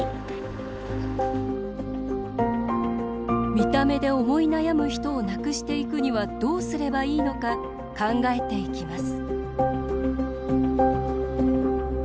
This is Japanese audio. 見た目で思い悩む人をなくしていくにはどうすればいいのか考えていきます。